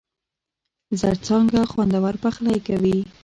زرڅانگه! خوندور پخلی کوي.